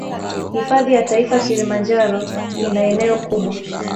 Hifadhi ya taifa kilimanjaro ina eneo kubwa